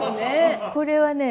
これはね